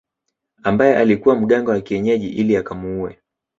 Ambaye alikuwa mganga wa kienyeji ili akamuue